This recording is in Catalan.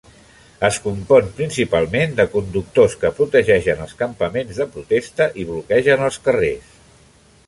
Es compon principalment de conductors que protegeixen els campaments de protesta i bloquegen els carrers.